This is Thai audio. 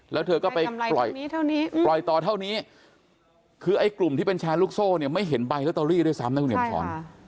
แล้วเธอก็ไปปล่อยต่อเท่านี้คือไอ้กลุ่มที่เป็นแชร์ลูกโซ่เนี่ยไม่เห็นใบลอตเตอรี่ด้วยซ้ำนะคุณเห็นสอน